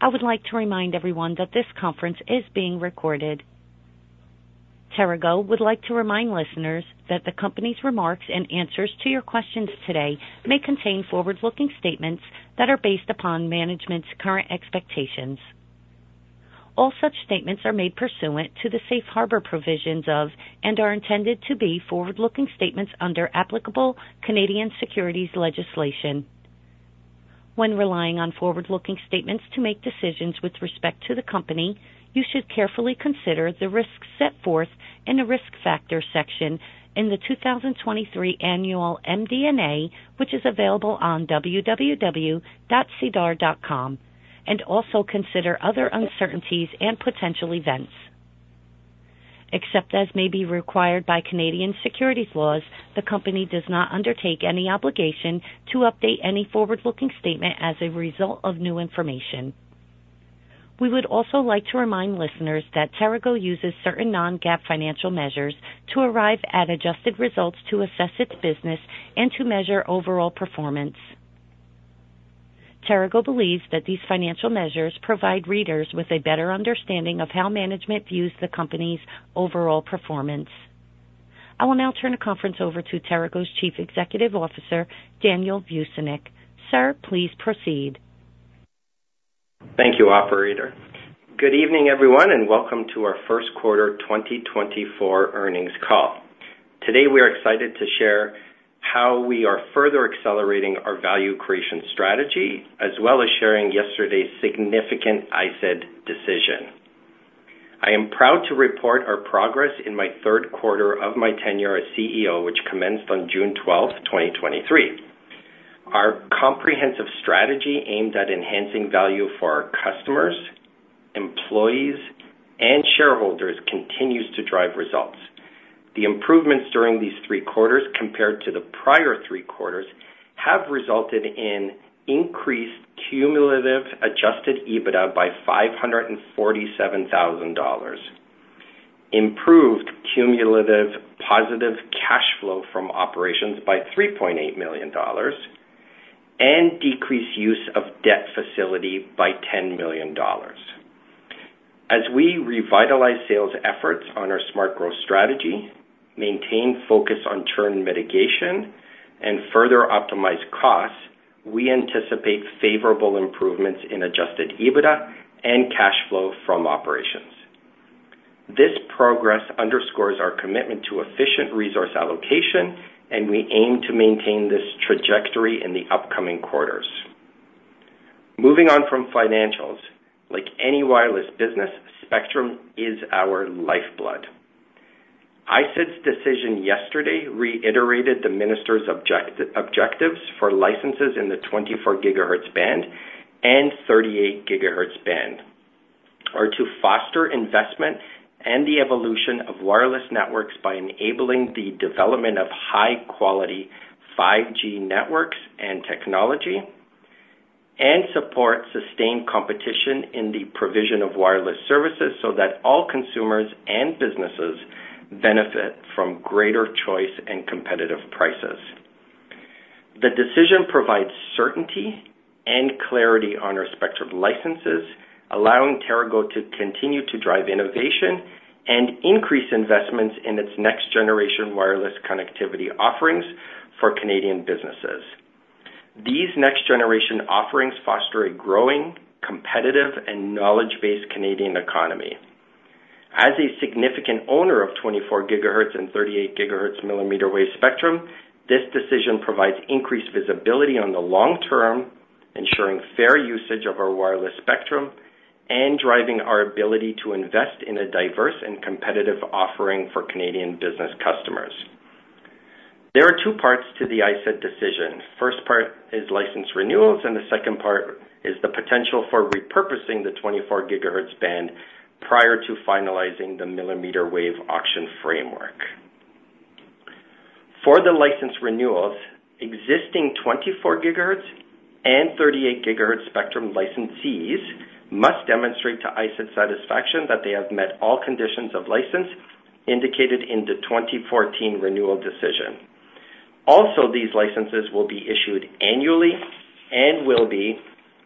I would like to remind everyone that this conference is being recorded. TeraGo would like to remind listeners that the company's remarks and answers to your questions today may contain forward-looking statements that are based upon management's current expectations. All such statements are made pursuant to the Safe Harbor provisions of and are intended to be forward-looking statements under applicable Canadian securities legislation. When relying on forward-looking statements to make decisions with respect to the company, you should carefully consider the risks set forth in the risk factor section in the 2023 annual MD&A, which is available on www.sedarplus.ca, and also consider other uncertainties and potential events. Except as may be required by Canadian securities laws, the company does not undertake any obligation to update any forward-looking statement as a result of new information. We would also like to remind listeners that TeraGo uses certain non-GAAP financial measures to arrive at adjusted results to assess its business and to measure overall performance. TeraGo believes that these financial measures provide readers with a better understanding of how management views the company's overall performance. I will now turn the conference over to TeraGo's Chief Executive Officer, Daniel Vucinic. Sir, please proceed. Thank you, operator. Good evening, everyone, and welcome to our first quarter 2024 earnings call. Today we are excited to share how we are further accelerating our value creation strategy as well as sharing yesterday's significant ISED decision. I am proud to report our progress in my third quarter of my tenure as CEO, which commenced on June 12, 2023. Our comprehensive strategy aimed at enhancing value for our customers, employees, and shareholders continues to drive results. The improvements during these three quarters compared to the prior three quarters have resulted in increased cumulative Adjusted EBITDA by 547,000 dollars, improved cumulative positive cash flow from operations by 3.8 million dollars, and decreased use of debt facility by 10 million dollars. As we revitalize sales efforts on our smart growth strategy, maintain focus on churn mitigation, and further optimize costs, we anticipate favorable improvements in Adjusted EBITDA and cash flow from operations. This progress underscores our commitment to efficient resource allocation, and we aim to maintain this trajectory in the upcoming quarters. Moving on from financials, like any wireless business, spectrum is our lifeblood. ISED's decision yesterday reiterated the minister's objectives for licenses in the 24 GHz band and 38 GHz band, are to foster investment and the evolution of wireless networks by enabling the development of high-quality 5G networks and technology, and support sustained competition in the provision of wireless services so that all consumers and businesses benefit from greater choice and competitive prices. The decision provides certainty and clarity on our spectrum licenses, allowing TeraGo to continue to drive innovation and increase investments in its next-generation wireless connectivity offerings for Canadian businesses. These next-generation offerings foster a growing, competitive, and knowledge-based Canadian economy. As a significant owner of 24 gigahertz and 38 gigahertz millimeter wave spectrum, this decision provides increased visibility on the long term, ensuring fair usage of our wireless spectrum, and driving our ability to invest in a diverse and competitive offering for Canadian business customers. There are two parts to the ISED decision. First part is license renewals, and the second part is the potential for repurposing the 24 gigahertz band prior to finalizing the millimeter wave auction framework. For the license renewals, existing 24 gigahertz and 38 gigahertz spectrum licensees must demonstrate to ISED's satisfaction that they have met all conditions of license indicated in the 2014 renewal decision. Also, these licenses will be issued annually and will be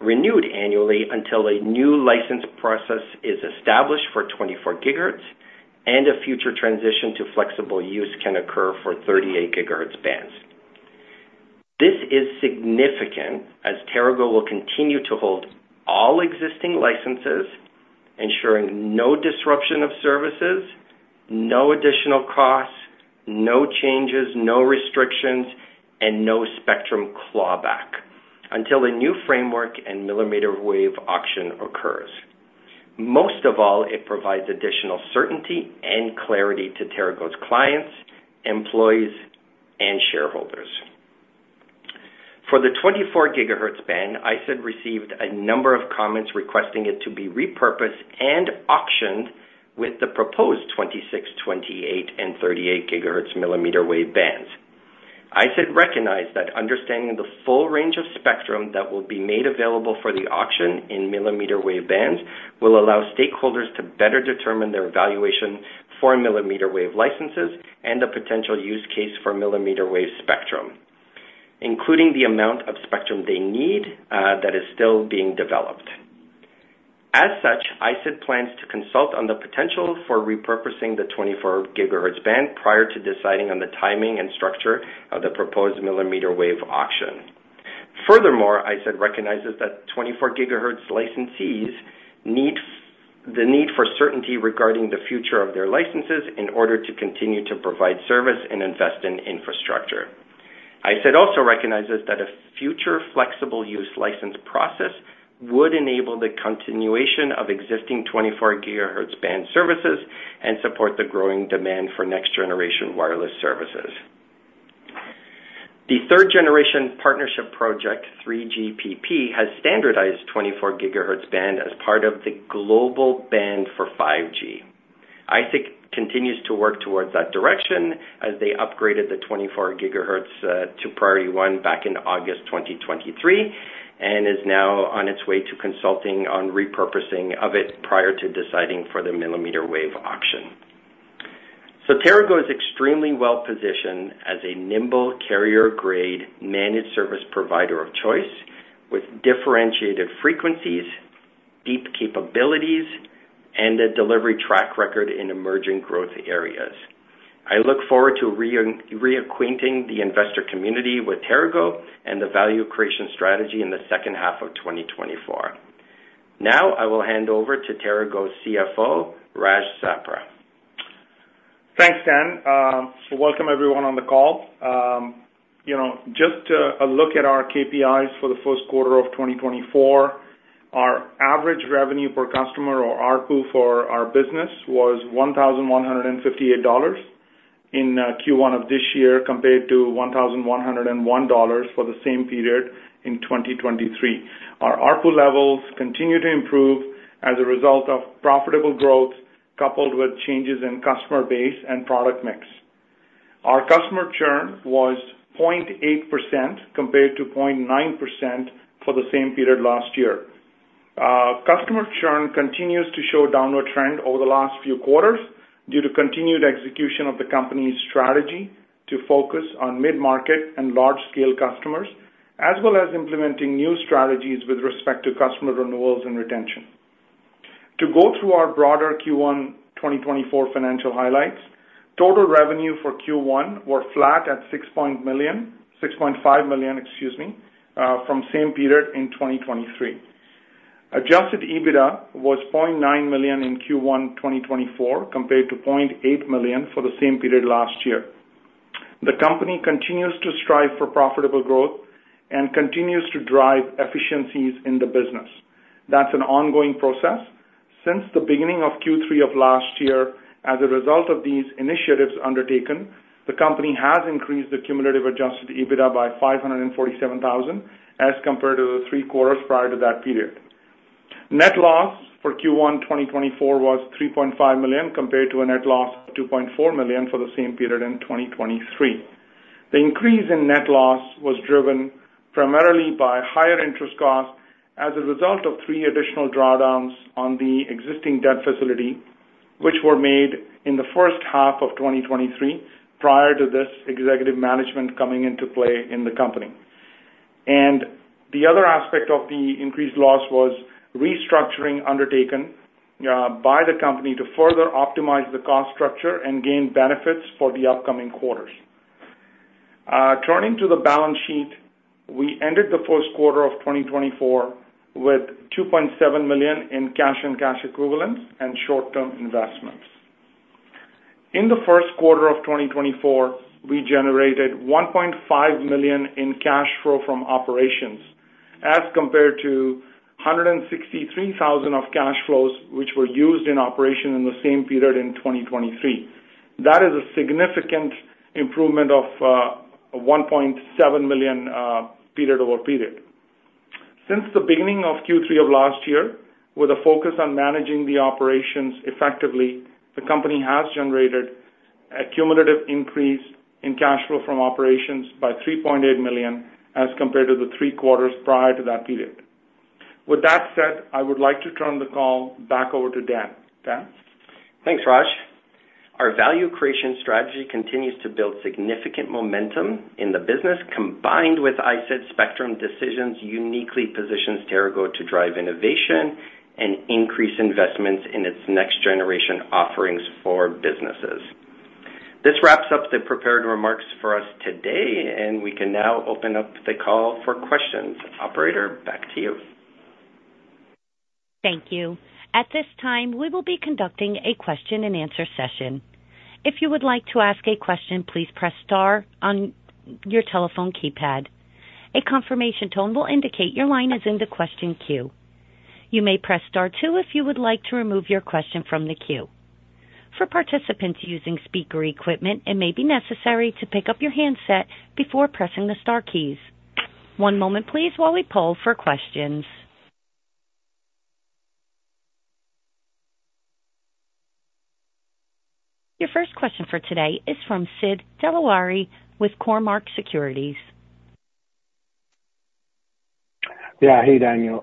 renewed annually until a new license process is established for 24 gigahertz, and a future transition to flexible use can occur for 38 gigahertz bands. This is significant as TeraGo will continue to hold all existing licenses, ensuring no disruption of services, no additional costs, no changes, no restrictions, and no spectrum clawback until a new framework and millimeter wave auction occurs. Most of all, it provides additional certainty and clarity to TeraGo's clients, employees, and shareholders. For the 24 gigahertz band, ISED received a number of comments requesting it to be repurposed and auctioned with the proposed 26, 28, and 38 gigahertz millimeter wave bands. ISED recognized that understanding the full range of spectrum that will be made available for the auction in millimeter wave bands will allow stakeholders to better determine their valuation for millimeter wave licenses and the potential use case for millimeter wave spectrum, including the amount of spectrum they need that is still being developed. As such, ISED plans to consult on the potential for repurposing the 24 gigahertz band prior to deciding on the timing and structure of the proposed millimeter wave auction. Furthermore, ISED recognizes that 24 gigahertz licensees need for certainty regarding the future of their licenses in order to continue to provide service and invest in infrastructure. ISED also recognizes that a future flexible use license process would enable the continuation of existing 24 gigahertz band services and support the growing demand for next-generation wireless services. The third-generation partnership project, 3GPP, has standardized 24 gigahertz band as part of the global band for 5G. ISED continues to work towards that direction as they upgraded the 24 gigahertz to priority one back in August 2023 and is now on its way to consulting on repurposing of it prior to deciding for the millimeter wave auction. TeraGo is extremely well-positioned as a nimble carrier-grade managed service provider of choice with differentiated frequencies, deep capabilities, and a delivery track record in emerging growth areas. I look forward to reacquainting the investor community with TeraGo and the value creation strategy in the second half of 2024. Now I will hand over to TeraGo's CFO, Raj Sapra. Thanks, Dan. Welcome everyone on the call. Just a look at our KPIs for the first quarter of 2024. Our average revenue per customer, or RPU, for our business was 1,158 dollars in Q1 of this year compared to 1,101 dollars for the same period in 2023. Our RPU levels continue to improve as a result of profitable growth coupled with changes in customer base and product mix. Our customer churn was 0.8% compared to 0.9% for the same period last year. Customer churn continues to show a downward trend over the last few quarters due to continued execution of the company's strategy to focus on mid-market and large-scale customers, as well as implementing new strategies with respect to customer renewals and retention. To go through our broader Q1 2024 financial highlights, total revenue for Q1 were flat at 6.5 million from same period in 2023. Adjusted EBITDA was 0.9 million in Q1 2024 compared to 0.8 million for the same period last year. The company continues to strive for profitable growth and continues to drive efficiencies in the business. That's an ongoing process. Since the beginning of Q3 of last year, as a result of these initiatives undertaken, the company has increased the cumulative adjusted EBITDA by 547,000 as compared to the three quarters prior to that period. Net loss for Q1 2024 was 3.5 million compared to a net loss of 2.4 million for the same period in 2023. The increase in net loss was driven primarily by higher interest costs as a result of three additional drawdowns on the existing debt facility, which were made in the first half of 2023 prior to this executive management coming into play in the company. The other aspect of the increased loss was restructuring undertaken by the company to further optimize the cost structure and gain benefits for the upcoming quarters. Turning to the balance sheet, we ended the first quarter of 2024 with 2.7 million in cash and cash equivalents and short-term investments. In the first quarter of 2024, we generated 1.5 million in cash flow from operations as compared to 163,000 of cash flows, which were used in operation in the same period in 2023. That is a significant improvement of 1.7 million period over period. Since the beginning of Q3 of last year, with a focus on managing the operations effectively, the company has generated a cumulative increase in cash flow from operations by 3.8 million as compared to the three quarters prior to that period. With that said, I would like to turn the call back over to Dan. Dan? Thanks, Raj. Our value creation strategy continues to build significant momentum in the business, combined with ISED spectrum decisions, uniquely positions TeraGo to drive innovation and increase investments in its next-generation offerings for businesses. This wraps up the prepared remarks for us today, and we can now open up the call for questions. Operator, back to you. Thank you. At this time, we will be conducting a question-and-answer session. If you would like to ask a question, please press star on your telephone keypad. A confirmation tone will indicate your line is in the question queue. You may press star two if you would like to remove your question from the queue. For participants using speaker equipment, it may be necessary to pick up your handset before pressing the star keys. One moment, please, while we pull for questions. Your first question for today is from Sid Dilawri with Cormark Securities. Yeah. Hey, Daniel.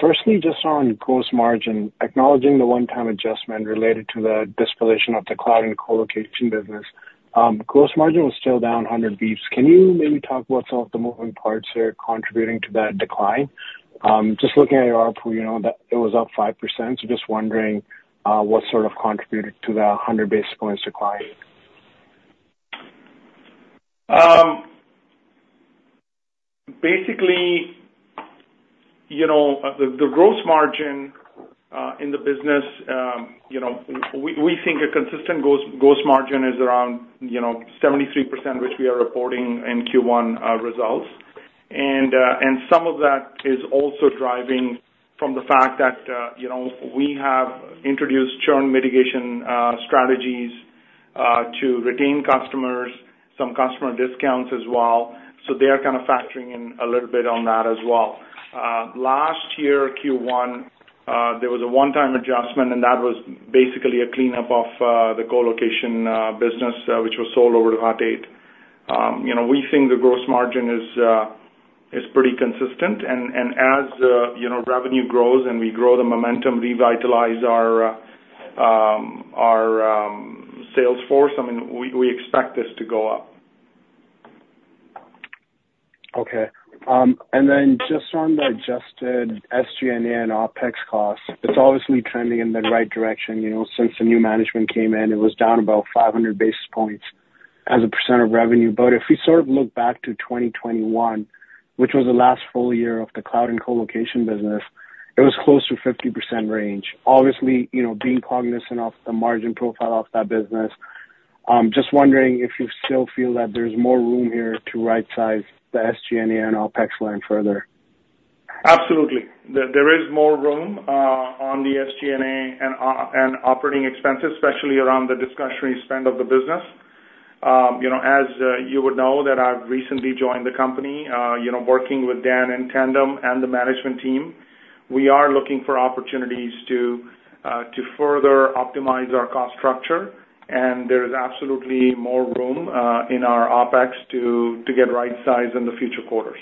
Firstly, just on gross margin, acknowledging the one-time adjustment related to the displacement of the cloud and colocation business, gross margin was still down 100 basis points. Can you maybe talk about some of the moving parts here contributing to that decline? Just looking at your RPU, it was up 5%. So just wondering what sort of contributed to the 100 basis points decline. Basically, the gross margin in the business, we think a consistent gross margin is around 73%, which we are reporting in Q1 results. Some of that is also driving from the fact that we have introduced churn mitigation strategies to retain customers, some customer discounts as well. So they are kind of factoring in a little bit on that as well. Last year, Q1, there was a one-time adjustment, and that was basically a cleanup of the colocation business, which was sold over to Hut 8. We think the gross margin is pretty consistent. As revenue grows and we grow the momentum, revitalize our sales force, I mean, we expect this to go up. Okay. And then just on the adjusted SG&A and OPEX costs, it's obviously trending in the right direction. Since the new management came in, it was down about 500 basis points as a percent of revenue. But if we sort of look back to 2021, which was the last full year of the cloud and colocation business, it was close to 50% range. Obviously, being cognizant of the margin profile of that business, just wondering if you still feel that there's more room here to right-size the SG&A and OPEX line further? Absolutely. There is more room on the SG&A and operating expenses, especially around the discretionary spend of the business. As you would know, that I've recently joined the company, working with Dan in tandem and the management team, we are looking for opportunities to further optimize our cost structure. And there is absolutely more room in our OPEX to get right-sized in the future quarters.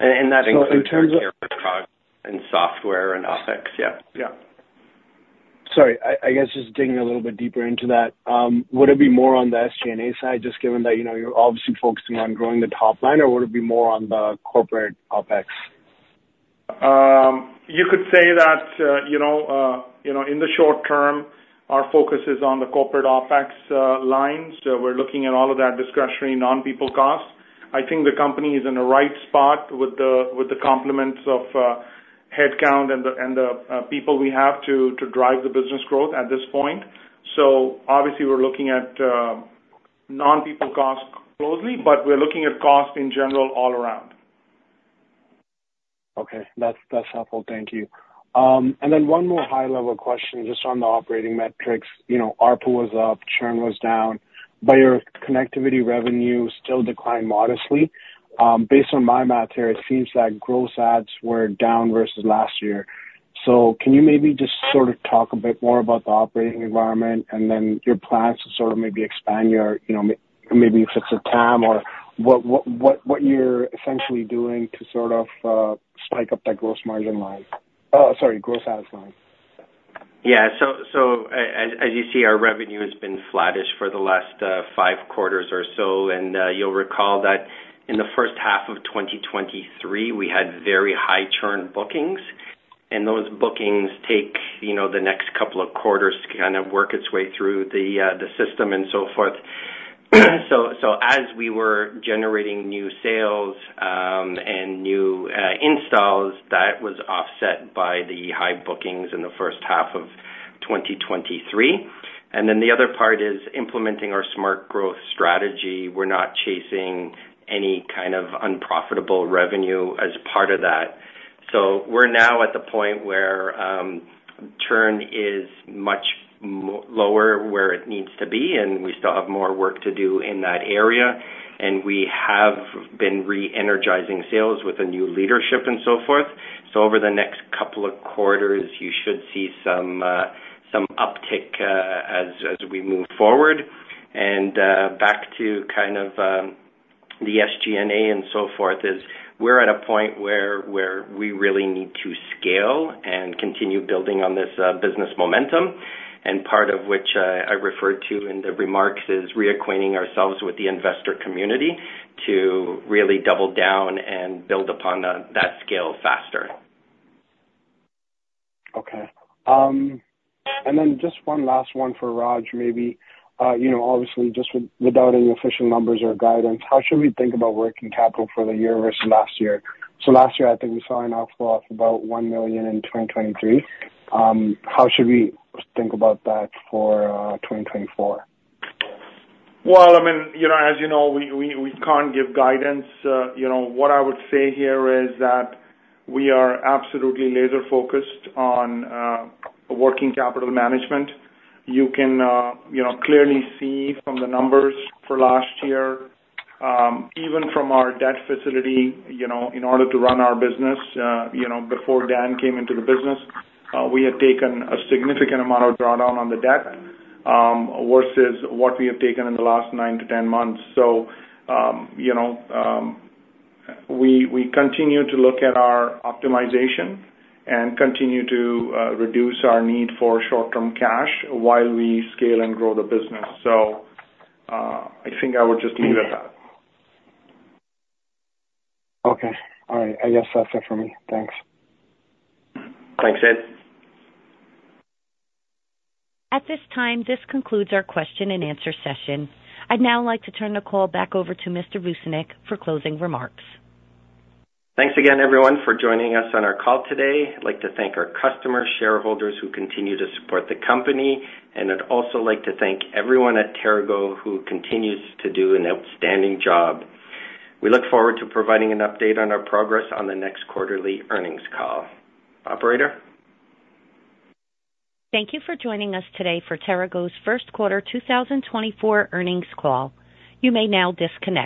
That includes your product and software and OPEX. Yeah. Yeah. Sorry. I guess just digging a little bit deeper into that, would it be more on the SG&A side, just given that you're obviously focusing on growing the top line, or would it be more on the corporate OPEX? You could say that in the short term, our focus is on the corporate OPEX lines. We're looking at all of that discretionary non-people cost. I think the company is in the right spot with the complements of headcount and the people we have to drive the business growth at this point. So obviously, we're looking at non-people cost closely, but we're looking at cost in general all around. Okay. That's helpful. Thank you. And then one more high-level question just on the operating metrics. RPU was up, churn was down. But your connectivity revenue still declined modestly. Based on my math here, it seems that gross adds were down versus last year. So can you maybe just sort of talk a bit more about the operating environment and then your plans to sort of maybe expand your maybe if it's a TAM or what you're essentially doing to sort of spike up that gross margin line? Sorry, gross adds line. Yeah. So as you see, our revenue has been flattish for the last five quarters or so. And you'll recall that in the first half of 2023, we had very high churn bookings. And those bookings take the next couple of quarters to kind of work its way through the system and so forth. So as we were generating new sales and new installs, that was offset by the high bookings in the first half of 2023. And then the other part is implementing our smart growth strategy. We're not chasing any kind of unprofitable revenue as part of that. So we're now at the point where churn is much lower where it needs to be, and we still have more work to do in that area. And we have been re-energizing sales with a new leadership and so forth. So over the next couple of quarters, you should see some uptick as we move forward. And back to kind of the SG&A and so forth is we're at a point where we really need to scale and continue building on this business momentum. And part of which I referred to in the remarks is reacquainting ourselves with the investor community to really double down and build upon that scale faster. Okay. And then just one last one for Raj, maybe. Obviously, just without any official numbers or guidance, how should we think about working capital for the year versus last year? So last year, I think we saw an outflow of about 1 million in 2023. How should we think about that for 2024? Well, I mean, as you know, we can't give guidance. What I would say here is that we are absolutely laser-focused on working capital management. You can clearly see from the numbers for last year, even from our debt facility, in order to run our business before Dan came into the business, we had taken a significant amount of drawdown on the debt versus what we have taken in the last 9-10 months. So we continue to look at our optimization and continue to reduce our need for short-term cash while we scale and grow the business. So I think I would just leave it at that. Okay. All right. I guess that's it for me. Thanks. Thanks, Ed. At this time, this concludes our question-and-answer session. I'd now like to turn the call back over to Mr. Vucinic for closing remarks. Thanks again, everyone, for joining us on our call today. I'd like to thank our customers, shareholders who continue to support the company. I'd also like to thank everyone at TeraGo who continues to do an outstanding job. We look forward to providing an update on our progress on the next quarterly earnings call. Operator? Thank you for joining us today for TeraGo's first quarter 2024 earnings call. You may now disconnect.